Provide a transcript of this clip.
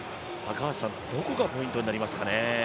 どこがポイントになりますかね。